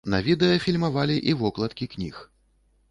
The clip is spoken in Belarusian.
На відэа фільмавалі і вокладкі кніг.